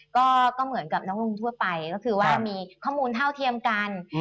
ก็เหมือนกับนักลงทุนทั่วไปก็คือว่ามีข้อมูลเท่าเทียมกัน